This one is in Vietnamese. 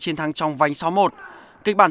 chiến thắng trong vánh sáu một kịch bản